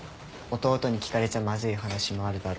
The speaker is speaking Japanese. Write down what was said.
弟に聞かれちゃまずい話もあるだろうし。